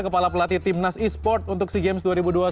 kepala pelatih timnas e sport untuk sea games dua ribu dua puluh satu